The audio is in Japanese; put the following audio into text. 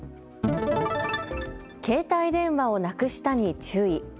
携帯電話をなくしたに注意。